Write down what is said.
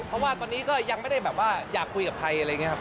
เพราะว่าตอนนี้ก็ยังไม่ได้แบบว่าอยากคุยกับใครอะไรอย่างนี้ครับ